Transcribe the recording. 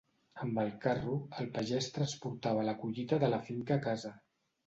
Amb el carro, el pagès transportava la collita de la finca a casa.